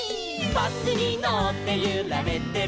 「バスにのってゆられてる」